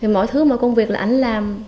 mọi thứ mọi công việc là anh làm